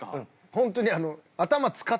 ホントに。